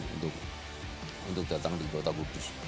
untuk datang di kota kudus